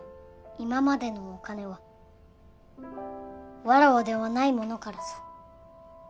今までのお金はわらわではない者からぞ。